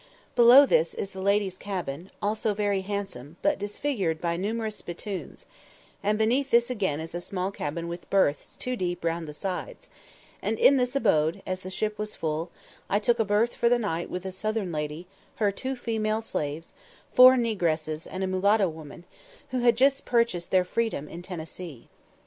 Below this saloon is the ladies' cabin, also very handsome, but disfigured by numerous spittoons, and beneath this again is a small cabin with berths two deep round the sides; and in this abode, as the ship was full, I took a berth for the night with a southern lady, her two female slaves, four negresses, and a mulatto woman, who had just purchased their freedom in Tennessee.